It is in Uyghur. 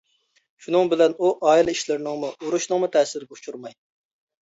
شۇنىڭ بىلەن ئۇ ئائىلە ئىشلىرىنىڭمۇ، ئۇرۇشنىڭمۇ تەسىرىگە ئۇچرىماي.